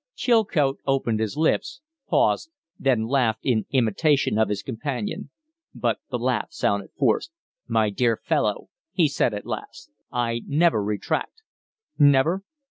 Chilcote opened his lips, paused, then laughed in imitation of his companion; but the laugh sounded forced. "My dear fellow," he said at last, "I never retract." "Never?"